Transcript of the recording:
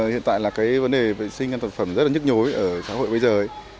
hiện tại là vấn đề vệ sinh an toàn thực phẩm rất nhức nhối ở xã hội bây giờ